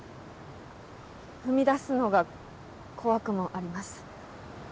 踏み出すのが怖くもあります。